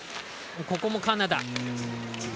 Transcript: ここもカナダ。